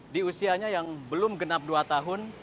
di usianya yang belum genap dua tahun